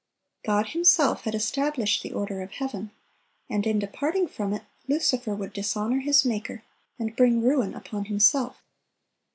God Himself had established the order of heaven; and in departing from it, Lucifer would dishonor his Maker, and bring ruin upon himself.